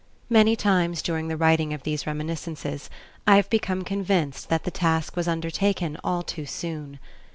Many times during the writing of these reminiscences, I have become convinced that the task was undertaken all too soon.